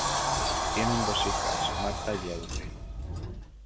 Tienen dos hijas, Martha y Audrey.